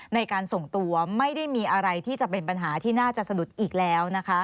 ในการส่งตัวไม่ได้มีอะไรที่จะเป็นปัญหาที่น่าจะสะดุดอีกแล้วนะคะ